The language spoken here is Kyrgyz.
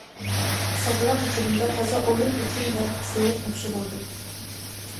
Салтанат учурунда таза оюн үчүн да сыйлык тапшырылды.